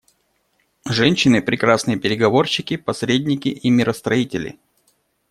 Женщины — прекрасные переговорщики, посредники и миростроители.